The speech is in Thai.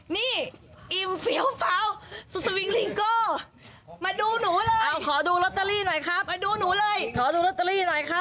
นี่อิมฟิลเฝาสุสวิงลิงโกมาดูหนูเลยอ้าวขอดูล็อตเตอรี่หน่อยครับมาดูหนูเลยขอดูล็อตเตอรี่หน่อยครับ